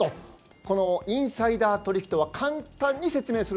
このインサイダー取引とは簡単に説明すると？